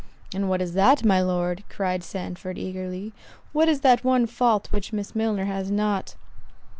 "And what is that, my Lord?" cried Sandford, eagerly, "What is that one fault, which Miss Milner has not?"